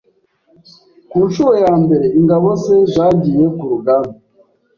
Ku nshuro ya mbere, ingabo ze zagiye ku rugamba.